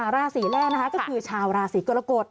ราศีแรกนะคะก็คือชาวราศีกรกฎ